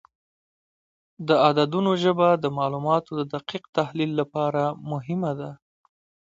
د عددونو ژبه د معلوماتو د دقیق تحلیل لپاره مهمه ده.